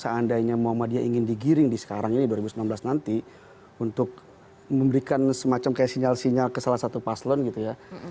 seandainya muhammadiyah ingin digiring di sekarang ini dua ribu sembilan belas nanti untuk memberikan semacam kayak sinyal sinyal ke salah satu paslon gitu ya